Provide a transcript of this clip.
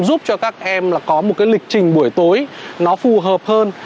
giúp cho các em là có một cái lịch trình buổi tối nó phù hợp hơn